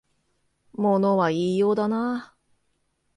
物は言いようだなあ